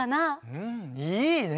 うんいいね！